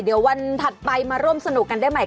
เดี๋ยววันถัดไปมาร่วมสนุกกันได้ใหม่